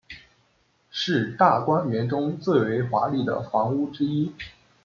是大观园中最为华丽的房屋之一。